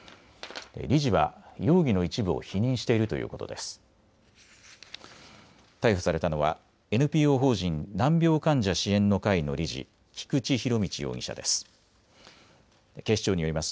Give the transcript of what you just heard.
理事は容疑の一部を否認しているということです。